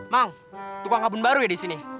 bang tukang kebun baru ya disini